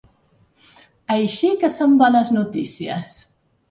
Així que són bones notícies.